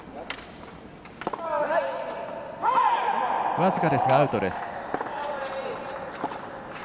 僅かですが、アウトです。